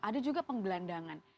ada juga penggelandangan